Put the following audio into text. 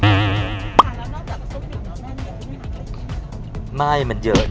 อันนี้ที่ทานแล้วนอกจากสมมุติหรือแม่มีอีกอะไร